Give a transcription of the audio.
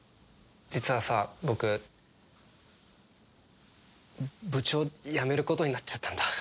実はさ僕部長やめることになっちゃったんだ。